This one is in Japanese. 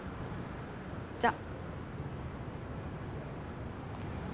じゃあ。